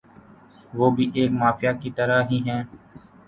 ۔ وہ بھی ایک مافیا کی طرح ھی ھیں